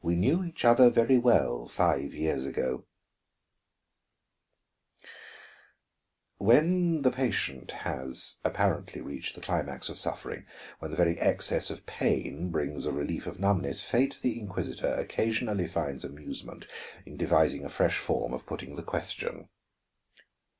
"We knew each other very well five years ago " When the patient has apparently reached the climax of suffering, when the very excess of pain brings a relief of numbness, Fate the Inquisitor occasionally finds amusement in devising a fresh form of putting the question.